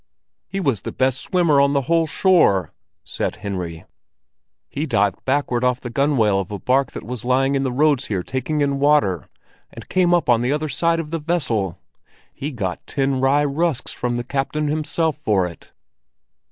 "He was the best swimmer on the whole shore!" said Henry. "He dived backward off the gunwale of a bark that was lying in the roads here taking in water, and came up on the other side of the vessel. He got ten rye rusks from the captain himself for it."